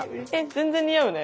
全然似合うね。